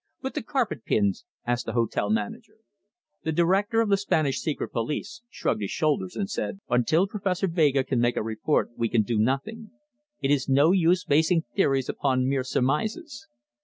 "But the carpet pins?" asked the hotel manager. The director of the Spanish secret police shrugged his shoulders, and said: "Until Professor Vega can make a report we can do nothing. It is no use basing theories upon mere surmises.